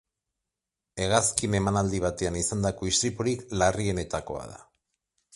Hegazkin emanaldi batean izandako istripurik larrienetakoa da.